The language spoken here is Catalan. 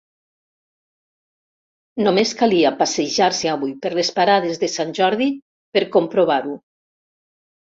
Només calia passejar-se avui per les parades de sant Jordi per comprovar-ho.